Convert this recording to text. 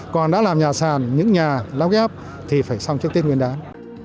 còn đã làm nhà sàn những nhà lắp ghép thì phải xong trước tết nguyên đán